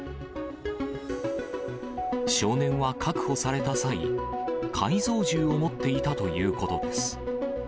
少年は確保された際、改造銃を持っていたということです。